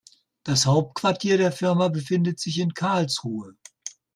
Das Hauptquartier der Firma befindet sich in Karlsruhe